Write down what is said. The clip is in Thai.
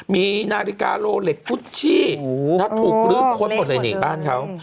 มีนาฬิกาโลเล็กฟุชชี่ถูกลื้อค้นหมดเลยนี่บ้านเขา